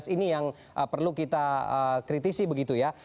ini yang perlu kita kritisi begitu ya